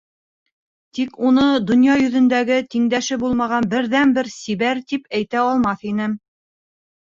Тик уны донъя йөҙөндәге тиңдәше булмаған берҙән-бер сибәр, тип әйтә алмаҫ инем.